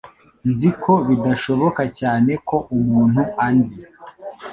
Nzi ko bidashoboka cyane ko umuntu anzi.